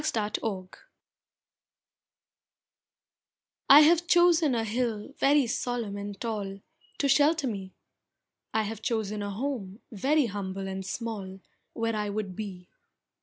MY CHOICE I have chosen a hill very solemn and tall, To shelter me. I have chosen a home very humble and small, Where I would be.